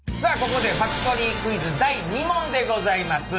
ここでファクトリークイズ第２問でございます。